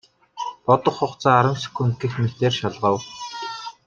Бодох хугацаа арван секунд гэх мэтээр шалгав.